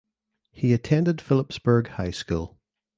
He attended Phillipsburg High School.